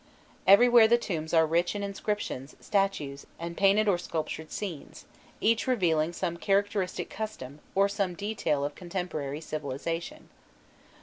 Everywhere the tombs are rich in inscriptions, statues, and painted or sculptured scenes, each revealing some characteristic custom, or some detail of contemporary civilization.